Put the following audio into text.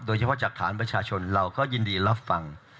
โดยเฉพาะจากฐานประชาชนเราก็ยินดีรับฟัง